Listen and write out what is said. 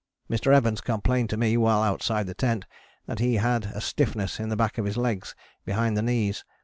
Mr. Evans complained to me while outside the tent that he had a stiffness at the back of his legs behind the knees.